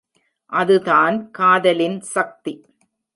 அதுதான் காதலின் சக்தி.